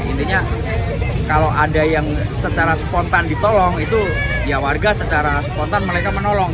intinya kalau ada yang secara spontan ditolong itu ya warga secara spontan mereka menolong